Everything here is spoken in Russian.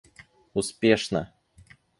успешно